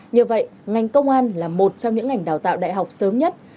như vậy ngành công an là một trong những ngành đào tạo đại học sớm nhất